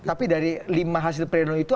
tapi dari lima hasil pleno itu